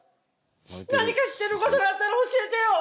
何か知ってることがあったら教えてよ！